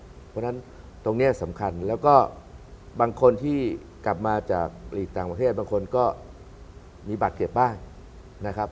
เพราะฉะนั้นตรงนี้สำคัญแล้วก็บางคนที่กลับมาจากหลีกต่างประเทศบางคนก็มีบาดเจ็บบ้างนะครับ